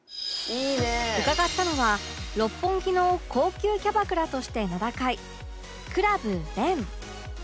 伺ったのは六本木の高級キャバクラとして名高い ｃｌｕｂ 蓮